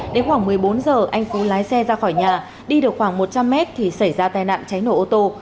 đến khoảng một mươi bốn giờ anh cứ lái xe ra khỏi nhà đi được khoảng một trăm linh mét thì xảy ra tai nạn cháy nổ ô tô